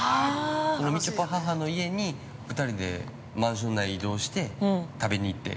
みちょぱ母の家に、２人でマンション内移動して食べに行って。